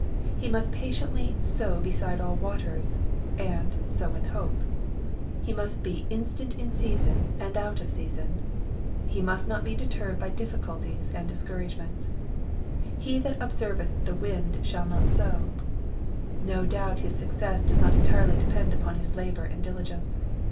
He must patiently " sow be side all waters/' and " sow in hope/' He must be " in stant in season and out of season/' He must not be deterred by difficulties and discouragements. ^' He that observeth the wind shall not sow." No doubt his success does not entirely depend upon his labor and diligence.